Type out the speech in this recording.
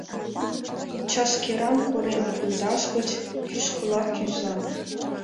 Чашкеран корем пундаш гыч кӱшкыла кӱза.